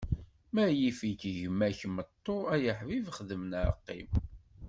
Ma yif-ik gma-k meṭṭu, ay aḥbib xdem neɣ qqim.